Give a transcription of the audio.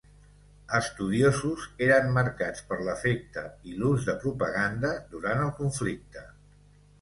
Estudiosos eren marcats per l'efecte i l'ús de propaganda durant el conflicte.